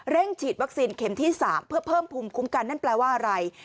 ฉีดวัคซีนเข็มที่๓เพื่อเพิ่มภูมิคุ้มกันนั่นแปลว่าอะไร